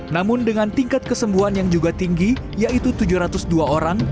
namun dengan tingkat kesembuhan yang juga tinggi yaitu tujuh ratus dua orang